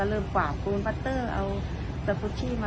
เราก็แค่เตือนไปว่า